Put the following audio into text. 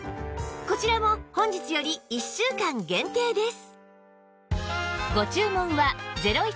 こちらも本日より１週間限定です